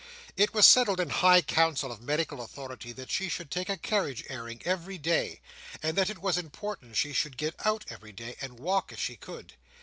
It was settled in high council of medical authority that she should take a carriage airing every day, and that it was important she should get out every day, and walk if she could.